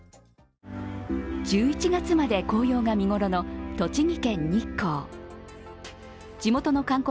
１１月まで紅葉が見頃の栃木県日光。